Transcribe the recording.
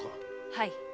はい。